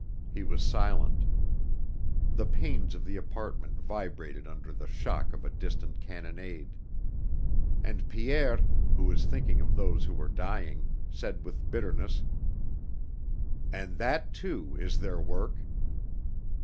He was silent. The panes of the apartment vibrated under the shock of a distant cannonade. And Pierre, who was thinking of those who were dying, said with bitterness: "And that, too, is their work."